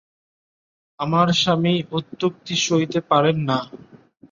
আমার স্বামী অত্যুক্তি সইতে পারেন না।